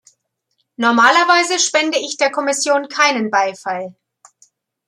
Normalerweise spende ich der Kommission keinen Beifall.